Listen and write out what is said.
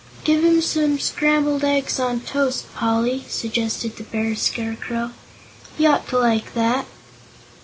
"Give him some scrambled eggs on toast, Poly," suggested the Bear Scarecrow. "He ought to like that."